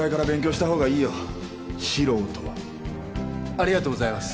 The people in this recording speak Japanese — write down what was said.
ありがとうございます。